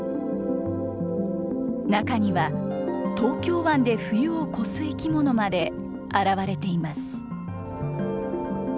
中には、東京湾で冬を越す生き物まで現れています。